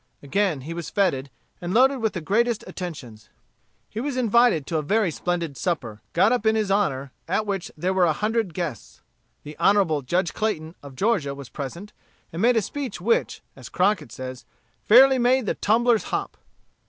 Again he was feted, and loaded with the greatest attentions. He was invited to a very splendid supper, got up in his honor, at which there were a hundred guests. The Hon. Judge Clayton, of Georgia, was present, and make a speech which, as Crockett says, fairly made the tumblers hop.